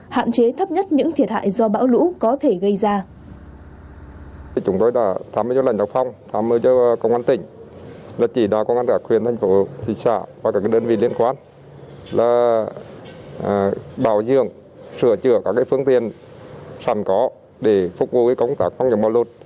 hạn chế thấp nhất những thiệt hại do bão lũ có thể gây ra